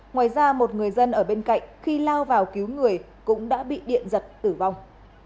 ngoài ra một người dân ở bên cạnh khi lao vào cứu người cũng đã bị điện giật tử vong